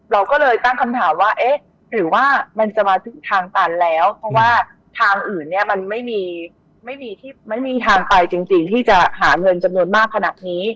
เราก็เลยตั้งคำถามว่าเอ๊ะหรือว่ามันจะมาถึงทางตันแล้วเพราะว่าทางอื่นเนี่ยมันไม่มีที่ไม่มีทางไปจริงที่จะหาเงินจำนวนมากขนาดนี้